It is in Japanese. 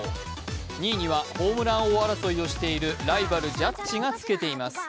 ２位にはホームラン王争いをしているライバル、ジャッジがつけています。